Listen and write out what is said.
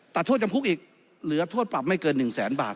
โทษจำคุกอีกเหลือโทษปรับไม่เกิน๑แสนบาท